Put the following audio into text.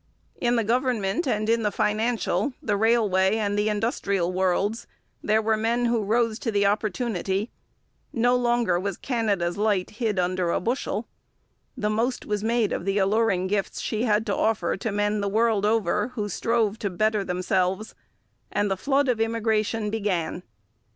In the government and in the financial, the railway and the industrial worlds there were men who rose to the opportunity: no longer was Canada's light hid under a bushel. The most was made of the alluring gifts she had to offer to men the world over who strove to better themselves, and the flood of immigration began.